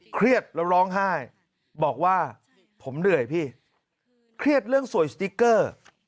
เครียดแล้วร้องไห้บอกว่าผมเหนื่อยพี่เครียดเรื่องสวยสติ๊กเกอร์